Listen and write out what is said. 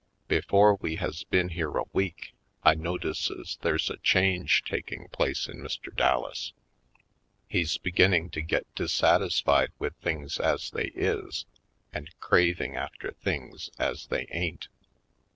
Before we has been here a week I notices there's a change taking place in Mr. Dal las. He's beginning to get dissatisfied with things as they is and craving after things as they ain't.